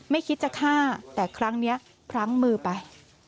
คิดจะฆ่าแต่ครั้งนี้พลั้งมือไป